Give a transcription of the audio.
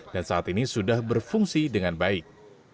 dan saat ini sudah berfungsi dengan baik